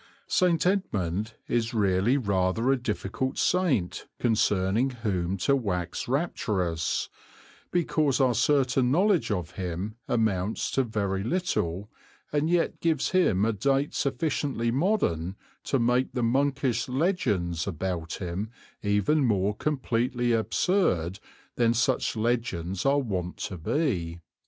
St. Edmund is really rather a difficult saint concerning whom to wax rapturous, because our certain knowledge of him amounts to very little and yet gives him a date sufficiently modern to make the monkish legends about him even more completely absurd than such legends are wont to be.